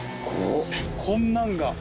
こんなんが。